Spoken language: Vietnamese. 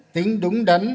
tính đúng đắn